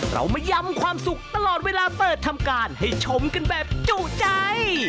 เรามายำความสุขตลอดเวลาเปิดทำการให้ชมกันแบบจุใจ